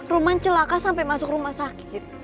roman celaka sampe masuk rumah sakit